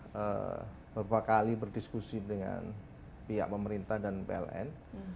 beberapa kali berdiskusi dengan pihak pemerintah dan pln